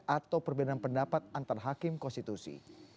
atau perbedaan pendapat antar hakim konstitusi